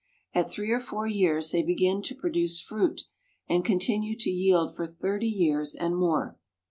At three or four years they begin to produce fruit, and continue to yield for thirty years and more.